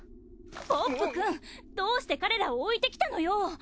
ポップくんどうして彼らを置いてきたのよ！